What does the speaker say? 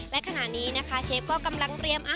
และขณะนี้นะคะเชฟก็กำลังเตรียม